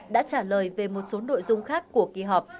đã trả lời về một số nội dung khác của kỳ họp